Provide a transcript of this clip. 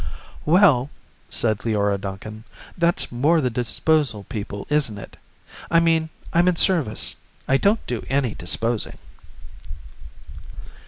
"Well," said Leora Duncan, "that's more the disposal people, isn't it? I mean, I'm in service. I don't do any disposing."